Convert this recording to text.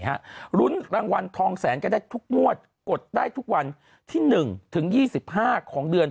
ลุ้นรางวัลทองแสนกันได้ทุกงวดกดได้ทุกวันที่๑ถึง๒๕ของเดือน